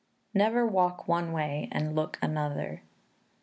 [NEVER WALK ONE WAY AND LOOK ANOTHER.